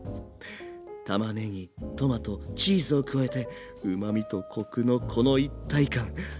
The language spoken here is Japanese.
たまねぎトマトチーズを加えてうまみとコクのこの一体感。